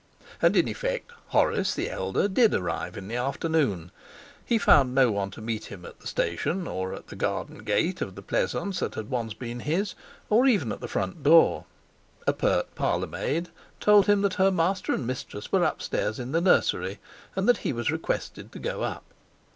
And in effect Horace the elder did arrive in the afternoon. He found no one to meet him at the station, or at the garden gate of the pleasaunce that had once been his, or even at the front door. A pert parlour maid told him that her master and mistress were upstairs in the nursery, and that he was requested to go up.